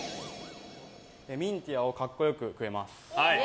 ミンティアを格好良く食えます。